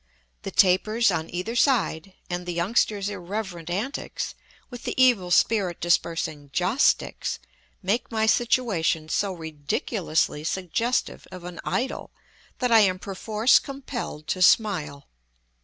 The tapers on either side, and the youngsters' irreverent antics, with the evil spirit dispersing joss sticks, make my situation so ridiculously suggestive of an idol that I am perforce compelled to smile.